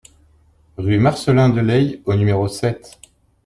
Rue Marcelin Delaye au numéro sept